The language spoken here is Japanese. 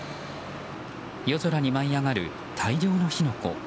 夜空に舞い上がる大量の火の粉。